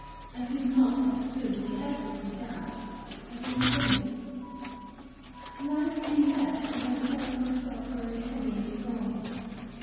I could not have stood if he had put me down. I grew faint. Life came back, and I felt myself growing heavy in his arms.